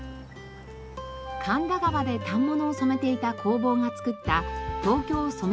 神田川で反物を染めていた工房が作った東京染